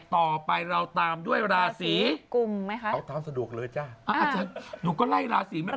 ต่อไปเราตามด้วยราศีกลุ่มไหมคะเอาตามสะดวกเลยจ้ะอาจารย์หนูก็ไล่ราศีไหมล่ะ